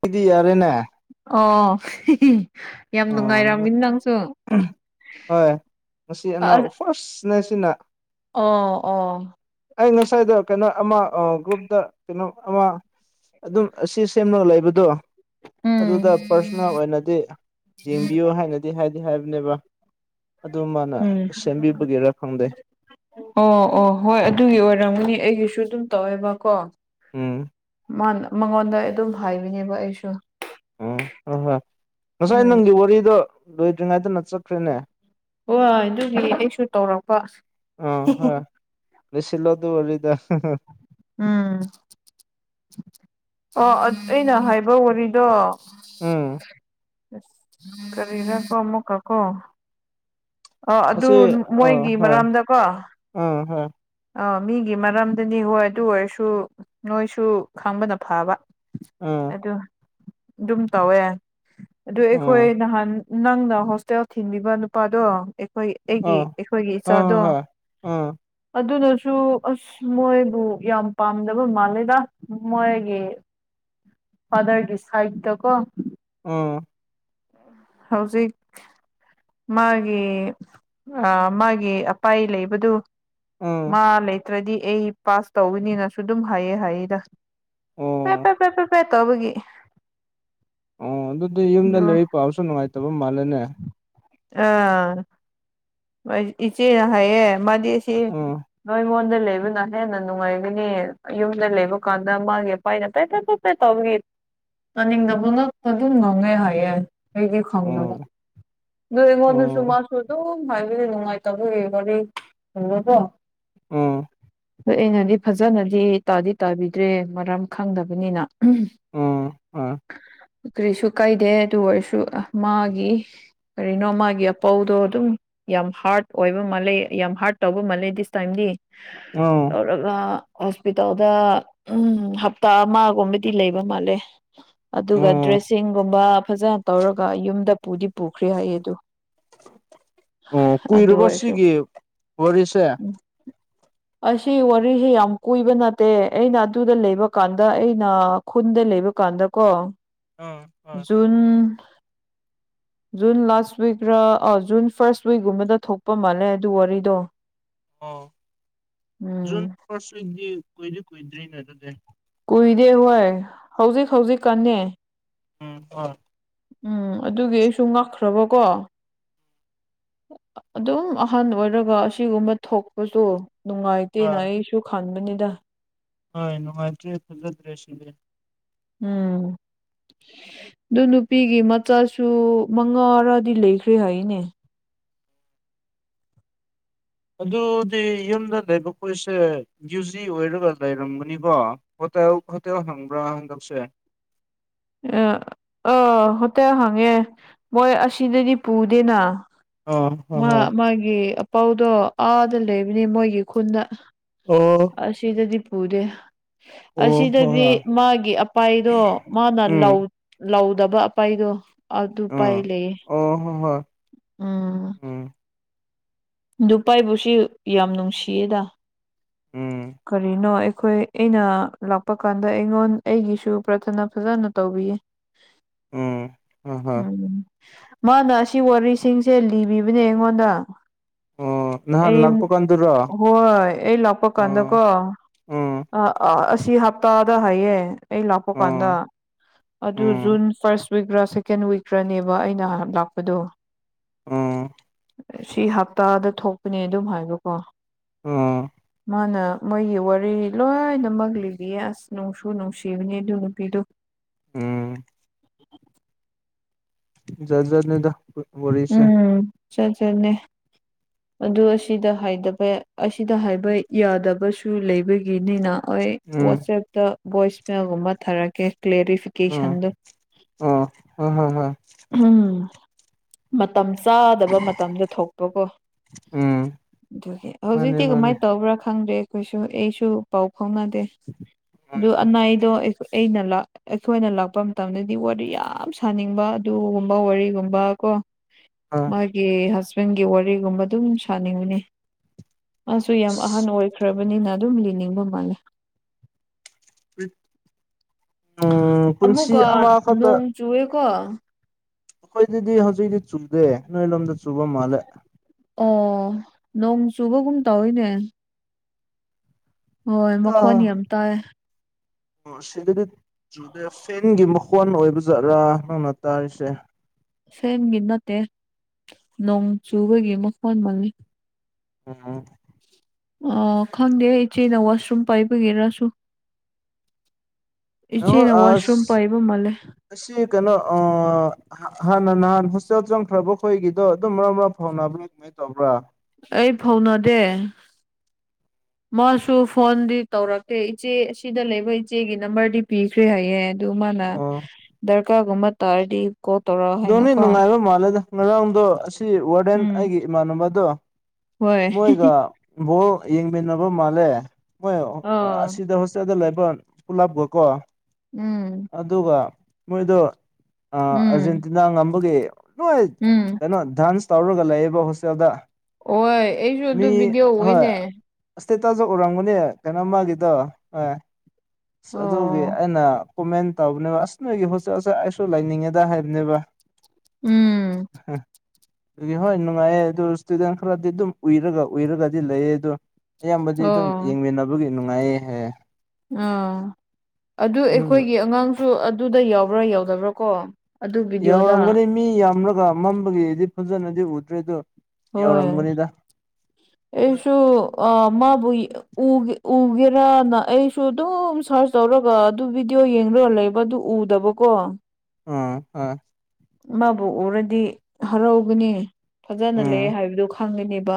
ꯀꯗꯤ ꯌꯥꯔꯦꯅꯦ ꯑꯣ ꯌꯥꯝ ꯑꯣ ꯅꯨꯡꯉꯥꯏꯔꯝꯃꯤꯅ ꯅꯪꯁꯨ ꯐꯔꯁ ꯅꯁꯤꯅ ꯑꯣ ꯑꯣ ꯑꯩ ꯉꯁꯥꯏꯗ ꯀꯩꯅꯣ ꯑꯃ ꯒ꯭ꯔꯨꯞꯇ ꯀꯩꯅꯣ ꯑꯃ ꯑꯗꯨꯝ ꯑꯁꯤ ꯁꯦꯝꯂꯒ ꯂꯩꯕꯗꯣ ꯎꯝ ꯑꯗꯨꯗ ꯄꯥꯔꯁꯣꯅꯦꯜ ꯑꯣꯏꯅꯗꯤ ꯌꯦꯡꯕꯤꯌꯣ ꯍꯥꯏꯅꯗꯤ ꯍꯥꯏꯗꯤ ꯍꯥꯏꯕꯅꯦꯕ ꯑꯗꯨ ꯃꯥꯅ ꯎꯝ ꯁꯦꯝꯕꯤꯕꯒꯤꯦꯔ ꯈꯪꯗꯦ ꯑꯣ ꯑꯣ ꯍꯣꯏ ꯑꯗꯨꯒꯤ ꯑꯣꯏꯔꯝꯒꯅꯤ ꯑꯩꯒꯤꯁꯨ ꯑꯗꯨꯝ ꯇꯧꯋꯦꯕꯀꯣ ꯎꯝ ꯃꯥ ꯃꯉꯣꯟꯗ ꯑꯗꯨꯝ ꯍꯥꯏꯕꯤꯅꯦꯕ ꯑꯩꯁꯨ ꯎꯝ ꯍꯣꯏ ꯍꯣꯏ ꯉꯁꯥꯏ ꯎꯝ ꯅꯪꯒꯤ ꯋꯥꯔꯤꯗꯣ ꯂꯣꯏꯗ꯭ꯔꯤꯉꯩꯗꯅ ꯆꯠꯈ꯭ꯔꯦꯅꯦ ꯍꯣꯏ ꯑꯗꯨꯒꯤ ꯑꯩꯁꯨ ꯇꯧꯔꯛꯄ ꯁꯂꯣ ꯑꯗꯨ ꯋꯥꯔꯤꯗ ꯎꯝ ꯑꯣ ꯑꯩꯅ ꯍꯥꯏꯕ ꯋꯥꯔꯤꯗꯣ ꯎꯝ ꯀꯔꯤꯔ ꯀꯣꯃꯨ ꯀꯥꯀꯣ ꯑ ꯑꯗꯨ ꯃꯣꯏꯒꯤ ꯃꯔꯝꯗꯀꯣ ꯑ ꯍ ꯑꯥ ꯃꯤꯒꯤ ꯃꯔꯝꯗꯅꯤ ꯍꯣꯏ ꯑꯗꯨ ꯑꯣꯏꯔꯁꯨ ꯅꯣꯏꯁꯨ ꯈꯪꯕꯅ ꯐꯕ ꯑ ꯑꯗꯨ ꯑꯗꯨꯝ ꯇꯧꯋꯦ ꯑꯗꯨ ꯑꯩꯈꯣꯏ ꯑꯥ ꯅꯍꯥꯟ ꯅꯪꯅ ꯍꯣꯁꯇꯦꯜ ꯊꯤꯡꯕꯤꯕ ꯅꯨꯄꯥꯗꯣ ꯑꯩꯈꯣꯏ ꯑꯩꯒꯤ ꯑꯥ ꯑꯩꯈꯣꯏꯒꯤ ꯍꯣꯏ ꯍꯣꯏ ꯏꯆꯥꯗꯣ ꯍꯣꯏ ꯑꯥ ꯑꯗꯨꯅꯁꯨ ꯑ ꯃꯣꯏꯕꯨ ꯌꯥꯝ ꯄꯥꯝꯗꯕ ꯃꯥꯜꯂꯦꯗ ꯃꯣꯏꯒꯤ ꯐꯗꯔꯒꯤ ꯁꯥꯍꯤꯇ ꯀꯣ ꯑꯣ ꯍꯧꯖꯤꯛ ꯃꯥꯒꯤ ꯃꯥꯒꯤ ꯑꯄꯥꯏ ꯂꯩꯕꯗꯨ ꯑꯥ ꯃꯥ ꯂꯩꯇ꯭ꯔꯗꯤ ꯑꯩ ꯄꯥꯁ ꯇꯧꯋꯅꯤꯅꯁꯨ ꯑꯗꯨꯝ ꯍꯥꯏꯌꯦ ꯍꯥꯏꯌꯦꯗ ꯑꯣ ꯄꯦꯄꯔ ꯄꯦꯄꯔ ꯄꯦ ꯇꯧꯕꯒꯤ ꯑꯣ ꯑꯗꯨꯗꯤ ꯌꯨꯝꯗ ꯑꯗꯨ ꯂꯩꯔꯤꯛ ꯄꯥꯕꯁꯨ ꯅꯨꯡꯉꯥꯏꯇꯕ ꯃꯥꯜꯂꯦꯅꯦ ꯑꯥ ꯏꯆꯦꯅ ꯍꯥꯏꯌꯦꯦ ꯃꯥꯗꯤ ꯁꯤꯣꯏ ꯑꯥ ꯑꯩꯉꯣꯟꯗ ꯂꯩꯕꯅ ꯍꯦꯟꯅ ꯅꯨꯡꯉꯥꯏꯒꯅꯤ ꯌꯨꯝꯗ ꯂꯩꯕ ꯀꯥꯟꯗ ꯃꯥꯒꯤ ꯑꯄꯥꯥꯏꯅ ꯇꯩ ꯇ ꯇ ꯇ ꯇꯧꯈꯤ ꯆꯥꯅꯤꯡꯗꯕ ꯉ ꯑꯗꯨꯝ ꯉꯪꯉꯦ ꯍꯥꯏꯌꯦꯦ ꯑꯩꯒꯤ ꯈꯪꯗꯅ ꯑꯣ ꯅꯣꯏ ꯑꯉꯣꯟꯗꯁꯨ ꯑꯣ ꯃꯁꯨ ꯑꯗꯨꯝ ꯍꯥꯏꯕꯤꯗꯤ ꯅꯨꯡꯉꯥꯏꯇꯕ ꯂꯩꯕꯒꯤ ꯍꯕꯀꯣ ꯎꯝ ꯑ ꯑꯩꯅꯗꯤ ꯐꯖꯅꯗꯤ ꯇꯥꯗꯤ ꯇꯥꯕꯤꯗ꯭ꯔꯦ ꯃꯔꯝ ꯈꯪꯗꯕꯅꯤꯅ ꯎꯝ ꯑꯥ ꯑꯥ ꯀꯔꯤꯁꯨ ꯀꯩꯗꯦ ꯑꯗꯨ ꯑꯣꯏꯔꯁꯨ ꯃꯥꯒꯤ ꯀꯔꯤꯅꯣ ꯃꯥꯒꯤ ꯑꯄꯥꯎꯗꯣ ꯑꯗꯨꯝ ꯌꯥꯝ ꯍꯥꯔꯠ ꯑꯣꯏꯕ ꯃꯥꯜꯂꯦ ꯌꯥꯝ ꯍꯥꯔꯠ ꯇꯧꯕ ꯃꯥꯜꯂꯦ ꯗꯤꯁ ꯇꯥꯏꯝꯗꯤ ꯑ ꯇꯧꯔꯒ ꯍꯣꯁꯄꯤꯇꯥꯜꯗ ꯎꯝ ꯍꯞꯇꯥ ꯑꯃꯒꯨꯝꯕꯗꯤ ꯂꯩꯕ ꯃꯥꯜꯂꯦ ꯑꯗꯨꯒ ꯑꯣ ꯗ꯭ꯔꯦꯁꯤꯡꯒꯨꯝꯕ ꯐꯖꯅ ꯇꯧꯔꯒ ꯌꯨꯝꯗ ꯄꯨꯗꯤ ꯄꯨꯈ꯭ꯔꯔꯤ ꯍꯥꯏꯌꯦ ꯑꯗꯨ ꯑꯣ ꯑꯗꯨ ꯀꯨꯏꯔꯕ ꯑꯣꯏꯔꯁꯨ ꯁꯤꯒꯤ ꯋꯥꯔꯤꯁꯦ ꯎꯝ ꯑꯁꯤ ꯋꯥꯔꯤꯁꯤ ꯌꯥꯝ ꯀꯨꯏꯕ ꯅꯠꯇꯦ ꯑꯩꯅ ꯑꯗꯨꯗ ꯂꯩꯕ ꯀꯥꯟꯗ ꯑꯩꯅ ꯈꯨꯟꯗ ꯂꯩꯕ ꯀꯥꯟꯗꯀꯣ ꯑ ꯍ ꯖꯨꯟ ꯖꯨꯟ ꯂꯥꯁ ꯋꯤꯛꯔꯥ ꯑ ꯖꯨꯟ ꯐꯥꯔꯁ ꯋꯤꯛꯀꯨꯝꯕꯗ ꯊꯣꯛꯄ ꯃꯥꯜꯂꯦ ꯑꯗꯨ ꯋꯥꯔꯤꯗꯣ ꯑꯣ ꯎꯝ ꯖꯨꯟ ꯐꯥꯔꯁ ꯋꯤꯛꯗꯤ ꯀꯨꯏꯗꯤ ꯀꯨꯏꯗ꯭ꯔꯤꯅꯦ ꯑꯗꯨꯗꯤ ꯀꯨꯏꯗꯦ ꯍꯣꯏ ꯍꯧꯖꯤꯛ ꯍꯧꯖꯤꯛ ꯀꯟꯅ ꯎꯝ ꯑꯥ ꯎꯝ ꯑꯗꯨꯒꯤ ꯑꯩꯁꯨ ꯉꯛꯈ꯭ꯔꯕꯀꯣ ꯑꯗꯨꯝ ꯑꯍꯟ ꯑꯣꯏꯔꯒ ꯑꯁꯤꯒꯨꯝꯕ ꯊꯣꯛꯄꯁꯨ ꯅꯨꯡꯉꯥꯏꯇꯦꯅ ꯍꯣꯏ ꯑꯩꯁꯨ ꯈꯟꯕꯅꯤꯗ ꯍꯣꯏ ꯅꯨꯅꯨꯡꯉꯥꯏꯇ꯭ꯔꯦ ꯐꯖꯗ꯭ꯔꯦꯁꯤꯦ ꯎꯝ ꯑꯗꯨ ꯅꯨꯄꯤꯒꯤ ꯃꯆꯥꯁꯨ ꯃꯉꯥꯔꯗꯤ ꯂꯩꯈ꯭ꯔꯦ ꯍꯥꯏꯅꯦ ꯑꯗꯨꯗꯤ ꯌꯨꯝꯗ ꯂꯩꯕ ꯀꯣꯏꯁꯦ ꯌꯨ ꯖꯤ ꯑꯣꯏꯔꯒ ꯂꯩꯔꯝꯒꯅꯤꯕꯣ ꯍꯣꯇꯦꯜ ꯍꯣꯇꯦꯜ ꯍꯪꯕ꯭ꯔꯥ ꯍꯟꯗꯛꯁꯦ ꯑ ꯑꯥ ꯍꯣꯇꯦꯜ ꯍꯪꯉꯦ ꯃꯣꯏ ꯑꯁꯤꯗꯗꯤ ꯄꯨꯗꯦꯅ ꯑꯥ ꯍꯣꯏ ꯃꯥ ꯍꯣꯏ ꯃꯥꯒꯤ ꯑꯄꯥꯎꯗꯣ ꯑꯥꯗ ꯂꯩꯕꯅꯤ ꯃꯣꯏꯒꯤ ꯈꯨꯟꯗ ꯑꯣ ꯑꯁꯤꯗꯗꯤ ꯄꯨꯗꯦ ꯍꯣꯏ ꯑꯁꯤꯗꯗꯤ ꯍꯣꯏ ꯃꯥꯒꯤ ꯑꯄꯥꯏꯗꯣ ꯅ ꯎꯝ ꯂꯧ ꯂꯧꯗꯕ ꯑꯄꯥꯏꯗꯣ ꯑꯗꯨ ꯄꯥꯏ ꯎꯝ ꯂꯩꯌꯦ ꯑꯣ ꯍꯣ ꯍꯣꯏ ꯎꯝ ꯎꯝ ꯅꯨꯄꯥꯥꯏꯕꯨꯁꯨ ꯌꯥꯝ ꯅꯨꯡꯁꯤꯌꯦꯗ ꯎꯝ ꯀꯔꯤꯅꯣ ꯑꯩꯈꯣꯏ ꯑꯩꯅ ꯂꯥꯛꯄ ꯀꯥꯟꯗ ꯑꯩꯉꯣꯟ ꯑꯩꯒꯤꯁꯨ ꯄ꯭ꯔꯊꯅꯥ ꯐꯖꯅ ꯇꯧꯕꯤꯌꯦ ꯎꯝ ꯍꯣꯏ ꯍꯣꯏ ꯎꯝ ꯃꯥꯅ ꯑꯁꯤ ꯋꯥꯔꯤꯁꯤꯡꯁꯦ ꯂꯤꯕꯤꯕꯅꯦ ꯑꯩꯉꯣꯟꯗ ꯑꯣ ꯅꯍꯥꯟ ꯑꯩ ꯂꯥꯛꯄ ꯀꯥꯟꯗꯨꯔꯣ ꯍꯣꯏ ꯑꯩ ꯂꯥꯛꯄ ꯀꯥꯟꯗꯀꯣ ꯎꯝ ꯎꯝ ꯑ ꯑ ꯑꯁꯤ ꯍꯞꯇꯥꯗ ꯍꯥꯏꯌꯦ ꯑꯩ ꯂꯥꯛꯄ ꯀꯥꯟꯗ ꯎꯝ ꯑꯗꯨ ꯎꯝ ꯖꯨꯟ ꯐꯥꯔꯁ ꯋꯤꯛꯔꯥ ꯁꯦꯀꯦꯟ ꯋꯤꯛꯀ꯭ꯔꯥꯅꯦꯕ ꯑꯩꯅ ꯂꯥꯛꯄꯗꯨ ꯎꯝ ꯁꯤ ꯍꯞꯇꯥꯗ ꯊꯣꯛꯄꯅꯦ ꯑꯗꯨꯝ ꯍꯥꯏꯕꯀꯣ ꯎꯝ ꯃꯥꯅ ꯃꯣꯏꯒꯤ ꯋꯥꯔꯤ ꯂꯣꯏꯅꯃꯛ ꯂꯤꯕꯤꯌꯦ ꯑꯁ ꯅꯨꯡꯁꯨ ꯅꯨꯡꯁꯤꯕꯅꯦ ꯑꯗꯨ ꯅꯨꯄꯤꯗꯨ ꯎꯝ ꯖꯥꯠ ꯖꯠ ꯅꯤꯗ ꯎꯝ ꯆꯠ ꯆꯠꯅꯦ ꯑꯗꯨ ꯑꯁꯤꯗ ꯍꯥꯏꯗꯕ ꯑꯁꯤꯗ ꯍꯥꯏꯕ ꯌꯥꯗꯕꯁꯨ ꯂꯩꯕꯒꯤꯅꯤꯅ ꯍꯣꯏ ꯎꯝ ꯋꯥꯆꯦꯞꯇ ꯚꯣꯏꯁꯃꯦꯜꯒꯨꯝꯕ ꯊꯥꯔꯛꯀꯦ ꯀ꯭ꯂꯦꯔꯤꯐꯤ ꯎꯝ ꯀꯦꯁꯟꯗꯣ ꯑꯣ ꯍꯣꯏ ꯍꯣꯏ ꯍꯣꯏ ꯎꯝ ꯃꯇꯝ ꯆꯥꯗꯕ ꯃꯇꯝꯗ ꯊꯣꯛꯄꯀꯣ ꯎꯝ ꯑꯗꯨꯒꯤ ꯃꯥꯅꯦ ꯍꯧꯖꯤꯛꯇꯤ ꯀꯃꯥꯏ ꯃꯥꯅꯦ ꯇꯧꯕ꯭ꯔꯥ ꯈꯪꯗꯦ ꯑꯩꯈꯣꯏꯁꯨ ꯑꯩꯁꯨ ꯄꯥꯎ ꯐꯥꯎꯅꯗꯦ ꯑꯗꯨ ꯑꯅꯩꯗꯨ ꯑꯩ ꯑꯩꯅ ꯂꯥꯛ ꯑꯩꯈꯣꯏꯅ ꯂꯥꯛꯄ ꯃꯇꯝꯗꯗꯤ ꯋꯥꯔꯤ ꯌꯥꯝ ꯁꯥꯅꯤꯡꯕ ꯑꯗꯨꯒꯨꯝꯕ ꯋꯥꯔꯤꯒꯨꯝꯕ ꯀꯣ ꯑꯥ ꯃꯥꯒꯤ ꯍꯁꯕꯦꯟꯒꯤ ꯋꯥꯔꯤꯒꯨꯝꯕ ꯑꯗꯨꯝ ꯁꯥꯅꯤꯡꯕꯅꯤ ꯃꯥꯁꯨ ꯌꯥꯝ ꯑꯍꯟ ꯑꯣꯏꯈ꯭ꯔꯕꯅꯤꯅ ꯑꯗꯨꯝ ꯂꯤꯅꯤꯡꯕ ꯃꯥꯜꯂꯦ ꯎꯝ ꯄꯨꯟꯁꯤ ꯑꯃꯈꯛꯇ ꯆꯨꯋꯦ ꯀꯣ ꯑꯩꯈꯣꯏꯗꯗꯤ ꯍꯧꯖꯤꯛꯗꯤ ꯆꯨꯗꯦ ꯅꯣꯏ ꯂꯣꯝꯗ ꯆꯨꯕ ꯃꯥꯜꯂꯦ ꯑꯣ ꯅꯣꯡ ꯆꯨꯕꯒꯨꯝ ꯇꯧꯋꯤꯅꯦ ꯍꯣꯏ ꯃꯈꯣꯟ ꯑꯥ ꯌꯥꯝ ꯇꯥꯏ ꯑꯣ ꯑꯁꯤꯗꯗꯤꯠ ꯨꯆꯨꯗꯦ ꯐꯦꯟꯒꯤ ꯃꯈꯣꯟ ꯑꯣꯏꯕ ꯖꯥꯠꯔꯥ ꯅꯪꯅ ꯇꯥꯔꯤꯁꯦ ꯐꯦꯟꯒꯤ ꯅꯠꯇꯦ ꯅꯣꯡ ꯆꯨꯕꯒꯤ ꯃꯈꯣꯟ ꯃꯥꯜꯂꯤ [unintelligible] ꯑ ꯈꯪꯗꯦ ꯏꯆꯦꯅ ꯋꯥꯁꯔꯨꯝ ꯄꯥꯏꯕꯒꯤꯔꯁꯨ ꯑꯍꯣꯏ ꯏꯆꯦꯅ ꯋꯥꯁꯔꯨꯝ ꯑꯁ ꯄꯥꯏꯕ ꯃꯥꯂꯦ ꯑꯁꯤ ꯀꯩꯅꯣ ꯑ ꯍꯥꯟꯅ ꯅꯍꯥꯟ ꯍꯣꯁꯇꯦꯜ ꯆꯪꯈ꯭ꯔꯕ ꯈꯣꯏꯒꯤꯗꯣ ꯑꯗꯨꯝ ꯃꯔꯛ ꯃꯔꯛ ꯐꯥꯎꯅꯕ [unintelligible] ꯀꯃꯥꯏꯟ ꯇꯧꯕ꯭ꯔꯥ ꯑꯩ ꯐꯧꯅꯗꯦ ꯃꯥꯁꯨ ꯐꯣꯟꯗꯤ ꯇꯧꯔꯛꯇꯦ ꯏꯆꯦ ꯑꯁꯤꯗ ꯂꯩꯕ ꯏꯆꯦꯒꯤ ꯅꯝꯕꯔꯗꯤ ꯄꯤꯈ꯭ꯔꯦ ꯍꯥꯏꯌꯦ ꯑꯗꯨ ꯃꯥꯅ ꯑꯣ ꯗꯔꯀꯥꯔꯒꯨꯝꯕ ꯇꯥꯔꯗꯤ ꯀꯣꯜ ꯇꯧꯔꯛ ꯗꯣꯅꯤ ꯅꯨꯡꯉꯥꯏꯕ ꯃꯥꯜꯂꯦꯗ ꯉꯔꯥꯡꯗꯣ ꯑꯁꯤ ꯋꯥꯔꯗꯦꯟ ꯎꯝ ꯑꯩꯒꯤ ꯏꯃꯥꯟꯅꯕꯗꯨ ꯍꯣꯏ ꯃꯣꯏꯒ ꯕꯣꯜ ꯌꯦꯡꯃꯤꯟꯅꯕ ꯃꯥꯜꯂꯦ ꯃꯣꯏ ꯑ ꯑꯥ ꯑꯁꯤꯗ [unintelligible] ꯗ ꯂꯩꯕ ꯄꯨꯂꯞꯒꯀꯣ ꯎꯝ ꯑꯗꯨꯒ ꯃꯣꯏꯗꯣ ꯎꯝ ꯑꯥꯔꯖꯦꯟꯇꯤꯅꯥ ꯉꯝꯕꯒꯤ ꯅꯣꯏ ꯎꯝ ꯀꯩꯅꯣ ꯗꯥꯟꯁ ꯇꯧꯔꯒ ꯂꯩꯌꯦꯕ ꯍꯣꯁꯇꯦꯜꯗ ꯍ ꯑꯩꯁꯨ ꯑꯗꯨ ꯚꯤꯗꯤꯑꯣ ꯑꯣꯏꯅꯦ ꯑꯁꯇꯦꯇꯥꯁꯨ ꯎꯔꯝꯒꯅꯦ ꯀꯩꯅꯣ ꯃꯥꯒꯤꯗꯣ ꯍ ꯑꯁ ꯑꯗꯨꯒꯤ ꯑꯣ ꯑꯩꯅ ꯀꯣꯃꯦꯟ ꯇꯧꯕꯅꯦꯕ ꯑꯁ ꯅꯣꯏꯒꯤ ꯍꯣꯠꯠꯠꯁꯦ ꯑꯩꯁꯨ ꯂꯥꯏꯅꯤꯡꯉꯦꯗ ꯍꯥꯏꯕꯅꯦꯕ ꯎꯝ ꯑꯗꯨꯒꯤ ꯍꯣꯏ ꯅꯨꯡꯉꯥꯏꯌꯦ ꯑꯗꯨꯇꯨꯗꯪ ꯈꯔꯗꯤ ꯑꯗꯨꯝ ꯎꯏꯔꯒ ꯎꯏꯔꯒꯗꯤ ꯂꯩꯌꯦ ꯑꯗꯣ ꯑꯌꯥꯝꯕꯗꯤ ꯑꯗꯨꯝ ꯑꯣ ꯌꯦꯡꯃꯤꯟꯅꯕ ꯒ ꯅꯨꯡꯉꯥꯏ ꯍꯦ ꯑꯥ ꯑꯗꯨ ꯑꯗꯨꯝꯗꯣ ꯑꯩꯈꯣꯏꯒꯤ ꯑꯉꯥꯡꯁꯨ ꯑꯗꯨꯗ ꯌꯥꯎꯕ꯭ꯔꯥ ꯌꯥꯎꯗꯕ꯭ꯔꯥ ꯀꯣ ꯑꯗꯨ ꯚꯤꯗꯤꯑꯣꯗ ꯌꯥꯎꯔꯝꯒꯅꯤ ꯃꯤ ꯌꯥꯝꯂꯒ ꯃꯝꯕꯒꯤꯗꯤ ꯐꯟꯖꯅꯗꯤ ꯎꯗ꯭ꯔꯦ ꯑꯗ ꯍꯣꯏ [unintelligible] ꯑꯩꯁꯨ ꯑ ꯃꯥꯕꯨ ꯎꯒꯦꯔꯅ ꯑꯩꯁꯨ ꯑꯗꯨꯝ ꯁꯥꯔꯁ ꯇꯧꯔꯒ ꯑꯗꯨ ꯚꯤꯗꯤꯑꯣ ꯌꯦꯡꯒ ꯂꯩꯕ ꯑꯗꯨ ꯎꯗꯕ ꯀꯣ ꯑꯣ ꯑ ꯃꯥꯕꯨ ꯎꯔꯗꯤ ꯍꯔꯥꯎꯒꯅꯤ ꯐꯖꯅ ꯎꯝ ꯂꯩ ꯍꯥꯏꯕꯗꯨ ꯈꯪꯒꯅꯦꯕ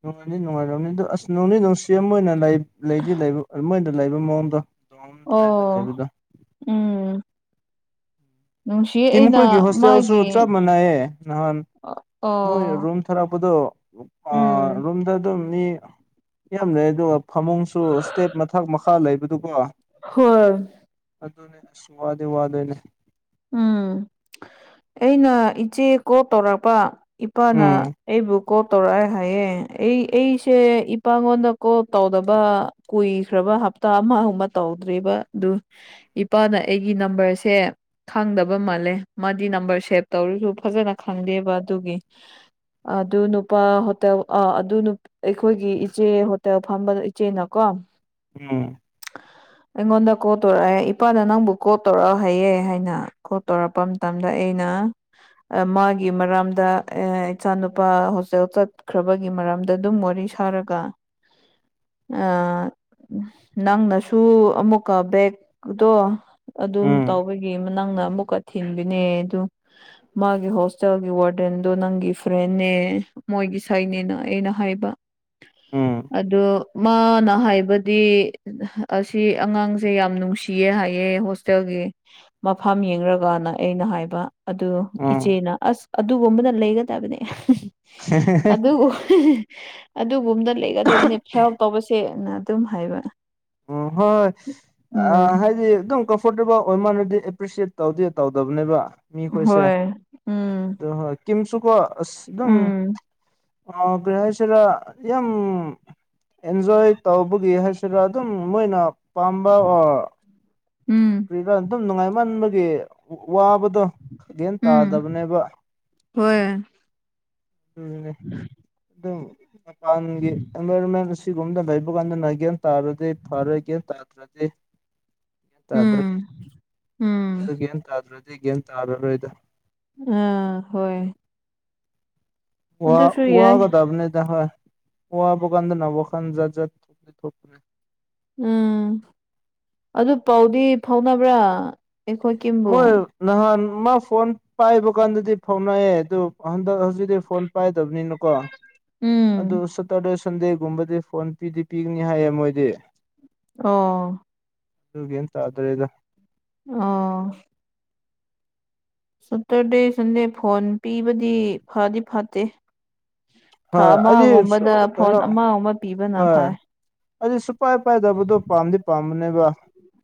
ꯅꯨꯡꯉꯥꯏꯅꯤ ꯅꯨꯡꯉꯥꯏꯔꯝꯅꯤ ꯑꯗꯣ ꯑꯁ ꯅꯣꯡꯅꯤ ꯅꯨꯡꯁꯤ ꯑꯃ ꯑꯣꯏꯅ ꯂꯩꯗꯤ ꯂꯩꯕ ꯃꯣꯏꯅ ꯂꯩꯕ ꯃꯑꯣꯡꯗꯣ ꯗꯣꯝ ꯇꯥꯏꯞꯇ ꯑꯣ ꯂꯩꯕꯗꯣ ꯎꯝ ꯅꯨꯡꯁꯤꯌꯦ ꯑꯩꯅ ꯇꯤꯃꯈꯣꯏꯒꯤ ꯍꯣꯁꯇꯦꯜꯁꯨ ꯃꯥꯒꯤ ꯆꯞ ꯃꯥꯟꯅꯏꯌꯦ ꯅꯍꯥꯟ ꯃꯣꯏ ꯑꯣ ꯔꯨꯝ ꯊꯥꯔꯛꯄꯗꯣ ꯎꯝ ꯔꯨꯝꯗ ꯑꯗꯨꯝ ꯑꯅꯤ ꯌꯥꯝ ꯂꯩ ꯑꯗꯨꯒ ꯐꯃꯨꯡꯁꯨ ꯏꯁꯇꯦꯠ ꯃꯊꯛ ꯃꯈꯥ ꯂꯩꯕꯗꯨꯀꯣ ꯍꯣꯏ ꯑꯗꯨꯅꯦ ꯑꯁ ꯋꯥꯗꯦ ꯋꯥꯗꯣꯏꯅꯦ ꯎꯝ ꯑꯩꯅ ꯏꯆꯦ ꯀꯣꯜ ꯇꯧꯔꯛꯄ ꯏꯄꯥꯅ ꯎꯝ ꯑꯩꯕꯨ ꯀꯣꯜ ꯇꯧꯔꯛꯑꯦ ꯍꯥꯏꯌꯦꯦ ꯑꯩ ꯑꯩꯁꯦ ꯏꯄꯥꯉꯣꯟꯗ ꯀꯣꯜ ꯇꯧꯗꯕ ꯀꯨꯏꯈ꯭ꯔꯕ ꯍꯞꯇꯥ ꯑꯃ ꯑꯨꯝꯕ ꯇꯧꯗ꯭ꯦꯔꯤꯕ ꯑꯗꯨ ꯏꯄꯥꯅ ꯑꯩꯒꯤ ꯅꯝꯕꯔꯁꯦ ꯈꯪꯗꯕ ꯃꯥꯜꯂꯦ ꯃꯥꯗꯤ ꯅꯝꯕꯔ ꯁꯦꯚ ꯇꯧꯔꯁꯨ ꯐꯖꯅ ꯈꯪꯗꯦꯕ ꯑꯗꯨꯒꯤ ꯑꯗꯨ ꯅꯨꯄꯥ ꯍꯣꯇꯦꯜ ꯑ ꯑꯗꯨ ꯑꯩꯈꯣꯏꯒꯤ ꯏꯆꯦ ꯍꯣꯇꯦꯜ ꯐꯝꯕ ꯏꯆꯦꯅꯀꯣ ꯎꯝ ꯑꯩꯉꯣꯟꯗ ꯀꯣꯜ ꯇꯧꯔꯛꯑꯦ ꯏꯄꯥꯗ ꯅꯪꯕꯨ ꯀꯣꯜ ꯇꯧꯔꯛ ꯍꯥꯏꯌꯦꯦ ꯍꯥꯏꯅ ꯀꯣꯜ ꯇꯧꯔꯛꯄ ꯃꯇꯝꯗ ꯑꯩꯅ ꯃꯥꯒꯤ ꯃꯔꯝꯗ ꯏꯆꯥ ꯅꯨꯨꯄꯥ ꯍꯣꯁꯇꯦꯜ ꯆꯠꯈ꯭ꯔꯕꯒꯤ ꯃꯔꯝꯗ ꯑꯗꯨꯝ ꯋꯥꯔꯤ ꯁ ꯈꯔꯒ [inaudible] ꯑ ꯅꯪꯅꯁꯨ ꯑꯃꯨꯛꯀ ꯕꯦꯒꯗꯣ ꯑꯗꯨꯝ ꯎꯝ ꯇꯧꯕꯒꯤ ꯅꯪꯅ ꯑꯃꯨꯛꯀ ꯊꯤꯟꯕꯤꯅꯦ ꯑꯗꯨ ꯃꯥꯒꯤ ꯍꯣꯁꯇꯦꯜꯒꯤ ꯋꯥꯔꯗꯦꯟꯗꯣ ꯅꯪꯒꯤ ꯐ꯭ꯔꯦꯦ ꯃꯣꯏꯒꯤ ꯁꯅꯦꯅ ꯑꯩꯅ ꯍꯥꯏꯕ ꯎꯝ ꯑꯗꯣ ꯃꯥꯅ ꯍꯥꯏꯕꯗꯤ ꯑꯁꯤ ꯑꯉꯥꯡꯁꯦ ꯌꯥꯝ ꯅꯨꯡꯁꯤꯌꯦ ꯍꯥꯏꯌꯦ ꯍꯣꯁꯇꯦꯜꯒꯤ ꯃꯐꯝ ꯌꯦꯡꯂꯡꯔꯒꯅ ꯑꯩꯅ ꯍꯥꯏꯕ ꯑꯗꯨ ꯎꯝ ꯏꯆꯦꯅ ꯑꯁ ꯑꯗꯨꯒꯨꯝꯕꯅ ꯂꯩꯒꯗꯕꯅꯦꯨꯝ ꯂꯩꯒꯗꯕꯅꯦ ꯐꯦꯔꯞ ꯇꯧꯕꯁꯦꯅ ꯑꯗꯨꯝ ꯍꯥꯏꯕ ꯎꯝ ꯍꯣꯏ ꯍꯣꯏ ꯑ ꯎꯝ ꯍꯥꯏꯗꯤ ꯑꯗꯨꯝ ꯑꯦꯐꯣꯔꯇꯦꯕꯜ ꯑꯣꯏ ꯃꯥꯟꯅꯗꯤ ꯑꯦꯄ꯭ꯔꯤꯁꯤꯌꯦꯠ ꯇꯧꯗꯦ ꯇꯧꯗꯕꯅꯦꯕ ꯃꯤꯈꯣꯏꯁꯦ ꯍꯣꯏ ꯎꯝ ꯑꯗꯣ ꯍꯣꯏ ꯀꯤꯝꯁꯨꯀꯣ ꯑꯁ ꯑꯗꯨꯝ ꯎꯝ ꯑꯣ ꯀꯩ ꯍꯥꯏꯁꯤꯔꯥ ꯌꯥꯝ ꯑꯦꯟꯖꯣꯏ ꯇꯧꯕꯒꯤ ꯍꯥꯏꯁꯤꯔꯥ ꯑꯗꯨꯝ ꯃꯣꯏꯅ ꯄꯥꯝꯕ ꯑꯣꯔ ꯎꯝ ꯀꯔꯤꯗ ꯑꯗꯨꯝ ꯅꯨꯡꯉꯥꯏꯃꯟꯕꯒꯤ ꯋꯥꯕꯗꯣꯒꯦꯟ ꯎꯝ ꯇꯥꯗꯕꯅꯦꯕ ꯍꯣꯏ ꯎꯝ ꯑꯗꯨꯝ ꯃꯄꯥꯟꯒꯤꯚꯃꯦꯟ ꯁꯤꯒꯨꯝꯕꯗ ꯂꯩꯕ ꯀꯥꯟꯗ ꯒꯦꯅ ꯇꯥꯔꯗꯤ ꯐꯔꯒ ꯇꯥꯗ꯭ꯔꯗꯤ ꯇꯗ꯭ꯔꯦ ꯎꯝ ꯎꯝ ꯑꯗꯨ ꯒ꯭ꯌꯥꯟ ꯇ꯭ꯔꯗꯤ ꯒ꯭ꯌꯥꯟ ꯇꯥꯔꯔꯣꯏꯗ ꯑꯥ ꯍꯣꯏ ꯋꯥꯍ ꯑꯗꯨꯁꯨ ꯋꯥꯍ ꯌꯥꯏ ꯀꯗꯕꯅꯤ ꯋꯥꯍꯕ ꯀꯥꯟꯗ ꯅꯕ ꯀꯥꯟꯖꯠꯖꯠ ꯊꯅꯤ ꯊꯄꯅꯤ ꯎꯝ ꯑꯗꯨ ꯄꯥꯎꯗꯤ ꯐꯥꯎꯅꯕ꯭ꯔꯥ ꯑꯩꯈꯣꯏ ꯀꯤꯝꯕꯨ ꯃꯣꯏ ꯅꯍꯥꯟ ꯃꯥ ꯐꯣꯟ ꯄꯥꯏꯕ ꯀꯥꯟꯗꯗꯤ ꯐꯥꯎꯅꯑꯦ ꯑꯗꯨ ꯍꯟꯗꯛ ꯍꯧꯖꯤꯛꯇꯤ ꯐꯣꯟ ꯄꯥꯏ ꯇ ꯑꯗꯨꯅꯀꯣ ꯑꯗꯨ ꯎꯝ ꯁꯇꯔꯗꯦ ꯁꯟꯗꯦꯒꯨꯝꯕꯗꯤ ꯐꯣꯟ ꯄꯤꯗꯤ ꯄꯤꯒꯅꯤ ꯍꯥꯏꯌꯦ ꯃꯣꯏꯗꯤ ꯑꯣ ꯁꯤꯒꯦꯟ ꯑꯗꯨ꯭ꯔꯦ ꯏ ꯑꯣ ꯁꯇꯔꯗꯦ ꯁꯟꯗꯦ ꯐꯣꯟ ꯄꯤꯕꯗꯤ ꯐꯗꯤ ꯐꯠꯇꯦ ꯊꯥ ꯍꯣꯏ ꯑꯩꯗꯤ ꯑꯃꯒꯨꯝꯕꯗ ꯁꯨ ꯐꯣꯟ ꯀꯩꯅꯣ ꯑꯃꯒ ꯑꯃ ꯄꯤꯕꯅ ꯐꯥꯏ ꯑꯗꯨ ꯁꯨꯄꯥꯏ ꯄꯥꯏꯗꯕꯗꯣ ꯄꯥꯝꯗꯤ ꯄꯥꯝꯕꯅꯦꯕ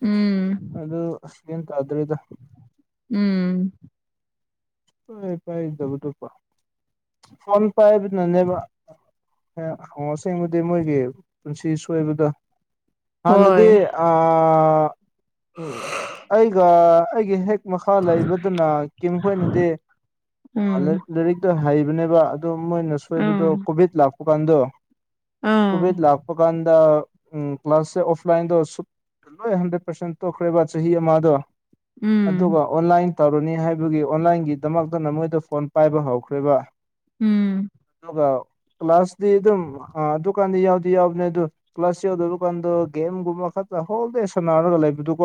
ꯎꯝ ꯑꯗꯨꯗ ꯌꯦ ꯇꯥ꯭ꯔꯦꯗ ꯎꯝ ꯄꯥꯏ ꯄꯥꯏꯕ ꯇꯣ ꯀ ꯐꯣꯟ ꯄꯥꯏ ꯅꯅꯦꯕ ꯍ ꯑꯁꯦꯡꯕꯨꯗꯤ ꯃꯣꯏꯒꯤ ꯄꯨꯟꯁꯤ ꯁꯣꯏꯕꯗ ꯍꯅꯗꯤꯦ ꯍꯣꯏ ꯑ ꯎ ꯑꯩꯒ ꯑꯩꯒꯤ ꯍꯦꯛ ꯃꯈꯥ ꯂꯩꯕꯗꯨꯅ ꯀꯝꯣꯏꯅꯗꯤ ꯎꯝ ꯂꯥꯏꯔꯤꯛꯇ ꯍꯩꯕꯅꯦꯕ ꯑꯗꯨꯣ ꯃꯣꯏꯅ ꯁꯣꯏꯕꯗꯣ ꯎꯝ ꯀꯣꯚꯤꯠ ꯂꯥꯛꯄ ꯀꯥꯟꯗꯣ ꯀꯨꯕꯗ ꯎꯝ ꯂꯥꯛꯥꯛꯄ ꯀꯥꯟꯗ ꯎꯝ ꯀ꯭ꯂꯥꯁꯁꯦ ꯑꯣꯐꯂꯥꯏꯟꯗꯣ ꯁ ꯂꯣꯏ ꯍꯟꯗ꯭ꯔꯦꯠ ꯄꯥꯔꯁꯦꯟ ꯇꯣꯛꯈ꯭ꯔꯦꯕ ꯆꯍꯤ ꯑꯃꯗꯣ ꯎꯝ ꯑꯗꯨꯒ ꯑꯣꯟꯂꯥꯏꯟ ꯇꯧꯔꯅꯤ ꯍꯥꯏꯕꯒꯤ ꯑꯣꯟꯂꯥꯏꯟꯒꯤꯗꯃꯛꯇꯅ ꯃꯣꯏꯗ ꯐꯣꯟ ꯄꯥꯏꯕ ꯍꯧꯈ꯭ꯔꯦꯕ ꯎꯝ ꯑꯗꯨꯒ ꯀ꯭ꯂꯥꯁꯇꯤ ꯑꯗꯨꯝ ꯑꯗꯨꯀꯥꯟꯗꯤ ꯌꯥꯎꯗꯤ ꯌꯥꯎꯕꯅꯦ ꯑꯗꯨ ꯀ꯭ꯂꯥꯁ ꯌꯧꯗꯔ ꯀꯥꯟꯗ ꯒꯦꯝꯒꯨꯝꯕ ꯈꯛꯇ ꯍꯣꯡꯗꯦ ꯁꯥꯟꯅꯔꯒ ꯂꯩꯕꯗꯨꯀꯣ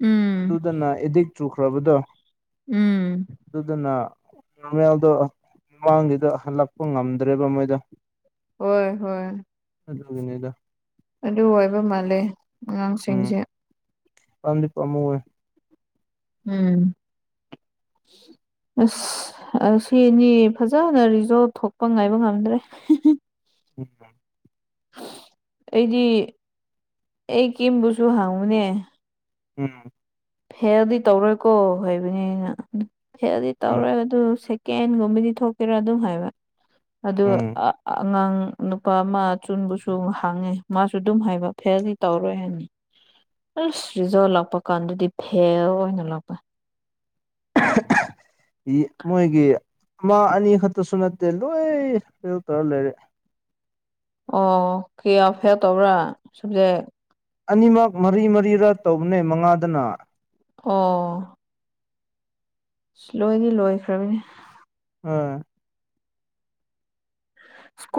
ꯎꯝ ꯑꯗꯨꯗꯅ ꯑꯦꯗꯤꯛ ꯆꯨꯈ꯭ꯔꯕꯗꯣ ꯎꯝ ꯑꯗꯨꯗꯨꯅ ꯅꯣꯔꯃꯦꯜꯗꯣ ꯃꯃꯥꯡꯒꯤꯗ ꯍꯜꯂꯛꯄ ꯉꯝꯗ꯭ꯔꯦꯕ ꯃꯣꯏꯗ ꯍꯣꯏ ꯍꯣꯏ ꯑꯗꯨꯒꯅꯦꯗ ꯑꯗꯨ ꯑꯣꯏꯕ ꯃꯥꯂꯦ ꯑꯉꯥꯡꯁꯤꯡꯁꯦ ꯀꯤꯄꯥ ꯃꯨꯦ ꯎꯝ [inaudible] ꯑꯁ ꯁꯤꯅꯤ ꯐꯖꯅ ꯔꯤꯖꯣꯔꯚ ꯊꯣꯛꯄ ꯉꯥꯏꯕ ꯉꯝꯗ꯭ꯔꯦ ꯎꯝ ꯑꯩꯗꯤ ꯑꯩ ꯀꯦꯝꯦꯝꯕꯨꯁꯨ ꯍꯥꯡꯉꯨꯅꯦ ꯎꯝ ꯐꯦꯜꯗꯤ ꯇꯧꯔꯣꯏꯀꯣ ꯍꯕꯅꯤꯅ ꯐꯦꯜꯗꯤ ꯎꯝ ꯇꯧꯔꯣꯏ ꯑꯗꯨ ꯀꯦꯟꯒꯨꯝꯕꯗꯤ ꯊꯣꯛꯀꯦꯔꯥ ꯑꯗꯨꯝ ꯍꯥꯏꯕ ꯎꯝ ꯑ ꯑꯉꯥꯡ ꯅꯨꯄꯥ ꯑꯃ ꯑ ꯆꯨꯟꯕꯁꯨ ꯍꯥꯡꯉꯦ ꯃꯥꯁꯨ ꯑꯗꯨꯝ ꯍꯥꯏꯕ ꯐꯦꯜꯗꯤ ꯇꯧꯔꯣꯏ ꯍꯥꯏꯅꯤ ꯑ ꯁ꯭ꯔꯤꯖꯣ ꯂꯥꯛꯄ ꯀꯥꯟꯗꯗꯤ ꯐꯦꯜ ꯑꯣꯏꯅ ꯂꯥꯛꯄ [unintelligible] ꯃꯣꯏꯒꯤ ꯑꯃ ꯑꯅꯤ ꯈꯛꯇꯁꯨ ꯅꯠꯇꯦ ꯂꯣꯏ ꯐꯦꯜ ꯇꯧꯔ ꯂꯩꯔꯦ ꯑꯣ ꯀꯌꯥ ꯐꯦꯜ ꯇꯧꯕ꯭ꯔꯥ ꯁꯕꯖꯦꯛ ꯑꯅꯤꯃꯛ ꯃꯔꯤ ꯃꯔꯤꯔ ꯇꯧꯕꯅꯦ ꯃꯉꯥꯗꯅ ꯑꯣ ꯂꯣꯏꯗꯤ ꯂꯣꯏꯈ꯭ꯔꯕꯅꯤ ꯑꯥ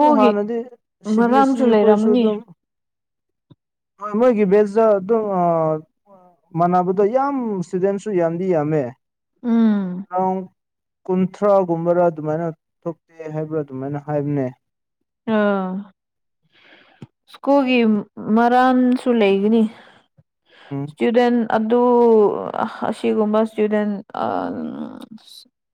ꯑꯗꯨ ꯍꯥꯟꯅꯗꯤ ꯁꯤ ꯕꯤ ꯑꯦꯁ ꯁꯤ ꯃꯔꯝꯁꯨ ꯑꯩꯈꯣꯏꯁꯨ ꯂꯩꯔꯝꯃꯅꯤ ꯑꯗꯨꯝ ꯍꯣꯏ ꯃꯣꯏꯒꯤ ꯕꯦꯖꯇ ꯑꯗꯨꯝ ꯃꯥꯟꯅꯕꯗꯣ ꯌꯥꯝ ꯏꯁꯇꯨꯗꯦꯟꯁꯨ ꯌꯥꯝꯗꯤ ꯌꯥꯝꯃꯦ ꯎꯝ ꯀꯨꯟꯊ꯭ꯔꯥꯒꯨꯝꯕꯔꯥ ꯑꯗꯨꯃꯥꯏꯅ ꯊꯣꯛꯇꯦ ꯍꯥꯏꯕ꯭ꯔ ꯑꯗꯨꯃꯥꯏꯅ ꯍꯥꯏꯕꯅꯦ ꯑꯥ ꯁ꯭ꯀꯨꯜꯒꯤ ꯃꯔꯥꯟꯁꯨ ꯂꯩꯒꯅꯤ ꯎꯝ ꯏꯁꯇꯨꯗꯦꯟ ꯑꯗꯨ ꯑꯁꯤꯒꯨꯝꯕ ꯏꯁꯇꯨꯗꯦꯟ ꯑꯥ